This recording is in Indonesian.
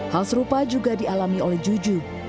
hal serupa juga dialami oleh juju